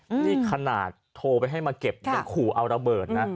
นี่ขนาดโทรไปให้มาเก็บยังขู่เอาระเบิดนะ